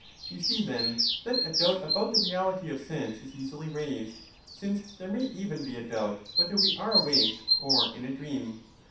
You see, then, that a doubt about the reality of sense is easily raised, since there may even be a doubt whether we are awake or in a dream.